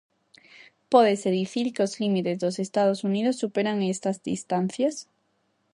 Pódese dicir que os límites dos Estados Unidos superan estas distancias?